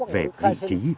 về vị trí